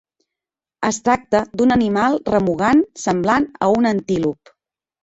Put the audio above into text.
Es tracta d'un animal remugant semblant a un antílop.